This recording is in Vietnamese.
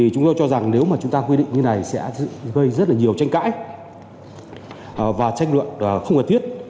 chúng tôi cho rằng nếu chúng ta quy định như này sẽ gây rất nhiều tranh cãi và tranh luận không hợp thiết